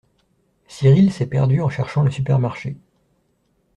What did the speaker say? Cyrille s'est perdu en cherchant le supermarché.